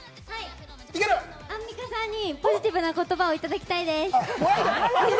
はい、アンミカさんにポジティブな言葉をいただきたいです。